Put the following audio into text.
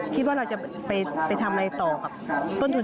เปิดร้านซ่อม